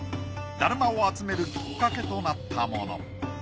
達磨を集めるきっかけとなったもの。